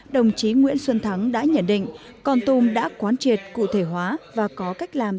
đồng chí nguyễn xuân thắng đã nhận định con tum đã quán triệt cụ thể hóa và có cách làm